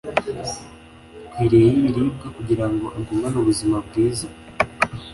ikwiriye y'ibiribwa kugira ngo agumane ubuzima bwiza